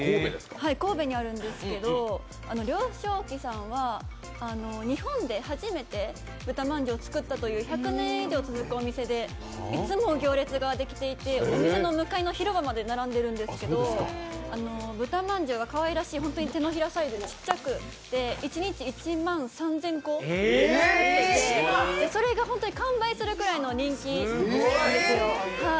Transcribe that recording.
神戸にあるんですけど老祥記さんは豚饅頭を作ったという１００年以上続くお店で、いつも行列ができていて、向かいの広場まで並んでいるんですけど豚饅頭がかわいらしい、本当に手のひらサイズでちっちゃくって一日１万３０００個作っていてそれが本当に完売するぐらいの人気なんですよ。